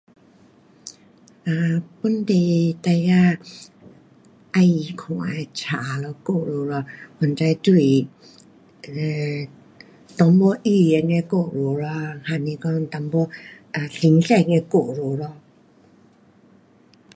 um 本地孩儿喜欢看的书咯，故事咯，反正都是 um 动物寓言的故事咯，还是神仙一点的故事咯。